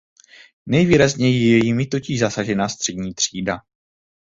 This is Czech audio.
Nejvýrazněji je jimi totiž zasažena střední třída.